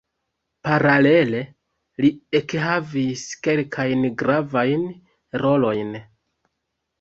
Paralele, li ekhavis kelkajn gravajn rolojn.